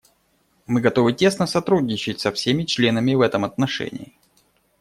Мы готовы тесно сотрудничать со всеми членами в этом отношении.